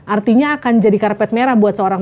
artinya akan jadi karpet merah buat seorang